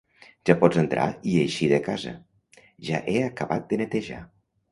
Ja pots entrar i eixir de casa, ja he acabat de netejar.